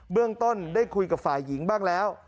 เรื่องต้นได้คุยกับฝ่ายหญิงบ้างแล้ว